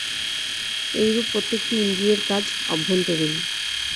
এইরূপ প্রত্যেকটি ইন্দ্রিয়ের কাজ অভ্যন্তরীণ।